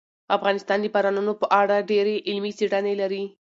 افغانستان د بارانونو په اړه ډېرې علمي څېړنې لري.